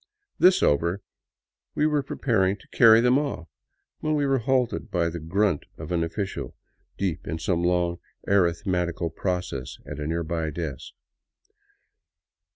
This over, we were preparing to carry them off, when we were halted by the grunt of an official deep in some long arithmetical process at a nearby desk.